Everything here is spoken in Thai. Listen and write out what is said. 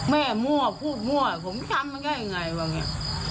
แม่มั่วพูดมั่วผมช้ำมันก็ยังไงว่าอย่างนี้